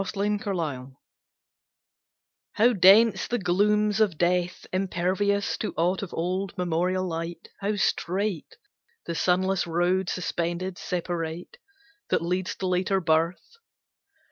THE UNREVEALED How dense the glooms of Death, impervious To aught of old memorial light! How strait The sunless road, suspended, separate, That leads to later birth!